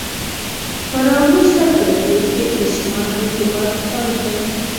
په راوروسته پېړیو کې اجماع اعتبار خپل کړ